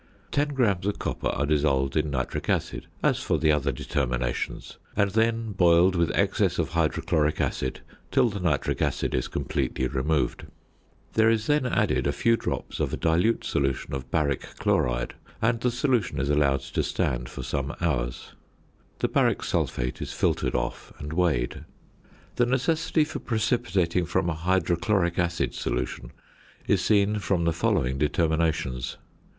Ten grams of copper are dissolved in nitric acid, as for the other determinations, and then boiled with excess of hydrochloric acid till the nitric acid is completely removed. There is then added a few drops of a dilute solution of baric chloride, and the solution is allowed to stand for some hours. The baric sulphate is filtered off and weighed. The necessity for precipitating from a hydrochloric acid solution is seen from the following determinations.